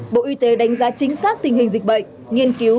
bộ y tế đánh giá chính xác tình hình dịch bệnh